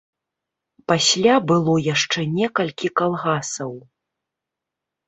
Пасля было яшчэ некалькі калгасаў.